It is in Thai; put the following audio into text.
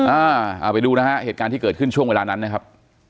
อ่าเอาไปดูนะฮะเหตุการณ์ที่เกิดขึ้นช่วงเวลานั้นนะครับ